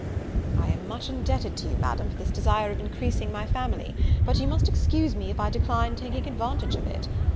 "I am much indebted to you, Madam, for this desire of increasing my family; but you must excuse me if I decline taking advantage of it.